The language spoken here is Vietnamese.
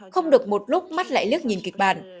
không được một lúc mắt lại lước nhìn kịch bản